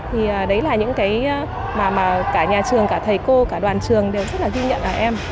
thì đấy là những cái mà cả nhà trường cả thầy cô cả đoàn trường đều rất là ghi nhận ở em